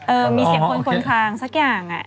มีเสียงคนคนคลางสักอย่าง